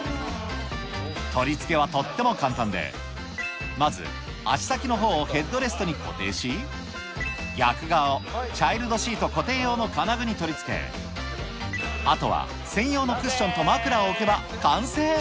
取り付けはとっても簡単で、まず、足先のほうをヘッドレストに固定し、逆側をチャイルドシート固定用の金具に取り付け、あとは専用のク出来たね。